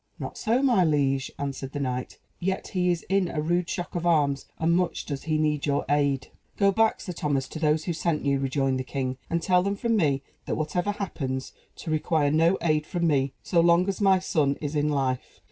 "Not so, my liege," answered the knight; "yet he is in a rude shock of arms, and much does he need your aid." "Go back, Sir Thomas, to those who sent you," rejoined the king, "and tell them from me, that whatever happens, to require no aid from me, so long as my son is in life.